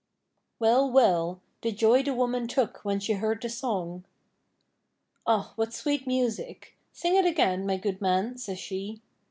Well, well, the joy the woman took when she heard the song! 'Aw, what sweet music! Sing it again, my good man,' says she.